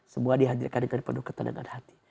semua dihadirkan dengan penuh ketenangan hati